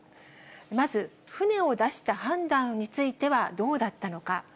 まず、船を出した判断についてはどうだったのか。